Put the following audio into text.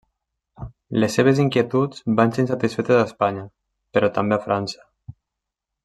Les seves inquietuds van ser insatisfetes a Espanya, però també a França.